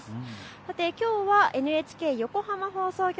さてきょうはＮＨＫ横浜放送局